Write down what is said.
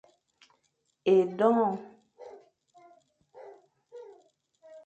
Edong.